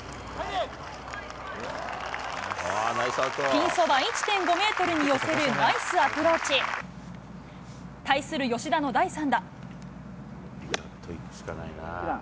ピンそば１．５メートルに寄せるナイスアプローチ。対する吉田の第３打。